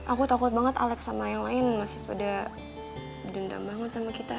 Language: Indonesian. aku takut banget alex sama yang lain masih pada dendam banget sama kita